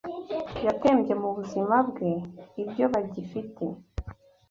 Yatembye mubuzima bwe ibyo bagifite